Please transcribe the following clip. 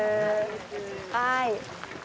はい。